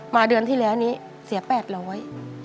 มาเดือนที่แล้วนี้เสีย๘๐๐บาท